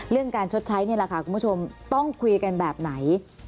การชดใช้นี่แหละค่ะคุณผู้ชมต้องคุยกันแบบไหน